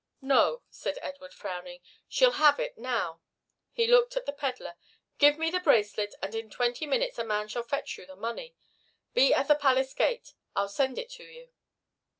"No," said Edward, frowning, "she shall have it now." He looked at the pedler. "Give me the bracelet and in twenty minutes a man shall fetch you the money. Be at the palace gate. I'll send it to you."